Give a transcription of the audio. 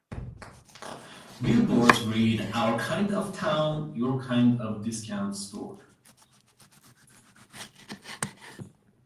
Billboards read, "Our Kind of Town, Your Kind of Discount Store".